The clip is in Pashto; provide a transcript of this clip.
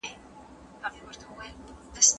مثبت چلند ماشوم ته ښه عادت ورښيي.